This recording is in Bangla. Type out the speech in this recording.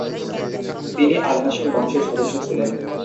তিনি আল-হাশিম বংশের সদস্য ছিলেন।